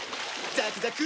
ザクザク！